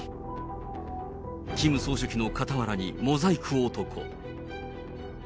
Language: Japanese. キム総書記の傍らにモザイク男。